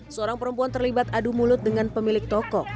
seorang perempuan terlibat adu mulut dengan pemilik toko